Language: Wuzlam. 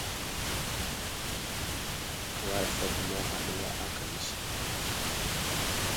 War afakuma aɗuwa aka məsi.